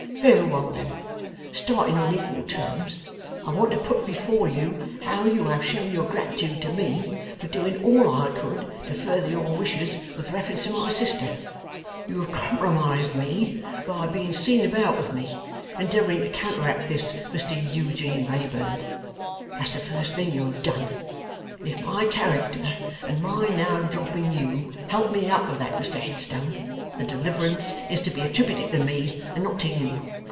Very well then. Starting on equal terms, I want to put before you how you have shown your gratitude to me, for doing all I could to further your wishes with reference to my sister. You have compromised me by being seen about with me, endeavouring to counteract this Mr Eugene Wrayburn. That's the first thing you have done. If my character, and my now dropping you, help me out of that, Mr Headstone, the deliverance is to be attributed to me, and not to you.